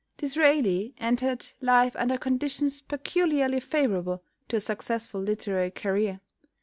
Disraeli entered life under conditions peculiarly favourable to a successful literary career.